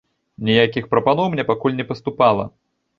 Ніякіх прапаноў мне пакуль не паступала.